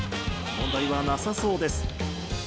問題はなさそうです。